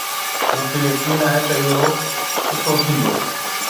مون کي يقين آهي ته اهو سٺو ٿيندو.